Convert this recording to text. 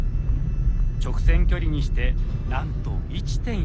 直線距離にしてなんと１．４ｋｍ。